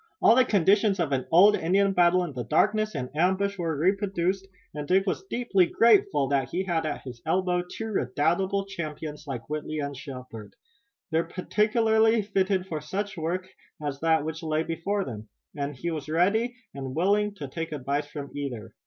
All the conditions of an old Indian battle in darkness and ambush were reproduced, and Dick was deeply grateful that he had at his elbow two redoubtable champions like Whitley and Shepard. They were peculiarly fitted for such work as that which lay before them, and he was ready and willing to take advice from either.